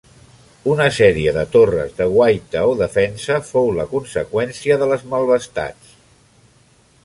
Una sèrie de torres, de guaita o defensa, fou la conseqüència de les malvestats.